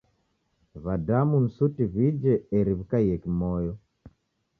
W'adamu ni suti w'ije eri w'ikaie kimoyo.